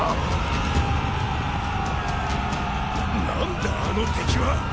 何だあの敵は！